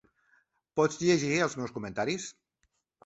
Pots llegir els meus comentaris?